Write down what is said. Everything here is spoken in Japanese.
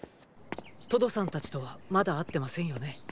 トドさんたちとはまだ会ってませんよね。